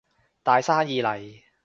大生意嚟